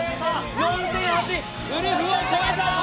４．８ウルフを超えた！